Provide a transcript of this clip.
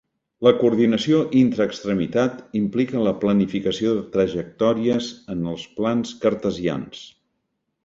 La coordinació intra-extremitat implica la planificació de trajectòries en els plans cartesians.